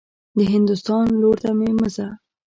د هندوستان لور ته مه ځه.